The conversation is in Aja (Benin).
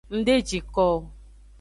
Ng de ji ko o.